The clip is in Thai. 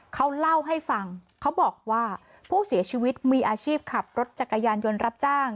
เขาเล่าให้ฟังเขาบอกว่าผู้เสียชีวิตมีอาชีพขับรถจักรยานยนต์รับจ้าง